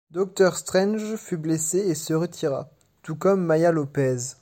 Docteur Strange fut blessé et se retira, tout comme Maya Lopez.